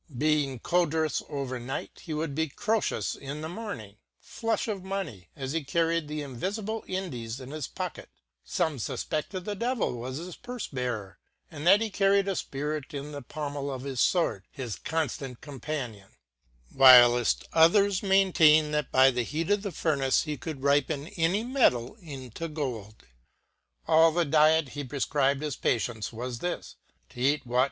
Being Codrus over night, he would be Croefus in the morning, flum ot money as it he carried the invifible Indies in his pocket : feme fu ipeclted the devil was his purfebearer, and that he carried a j fpiritin the pomel of his fword his conftant companion, whileil others maintain that by the heat of the furnace he could ripen any metall into gold. All the diet he prefenbed his patients was this^to eat what